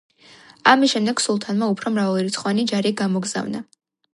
ამის შემდეგ სულთანმა უფრო მრავალრიცხოვანი ჯარი გამოგზავნა.